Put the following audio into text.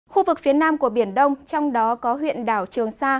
khu vực phía nam của biển đông trong đó có huyện đảo trường sa